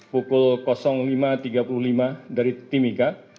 pukul lima tiga puluh lima dari timika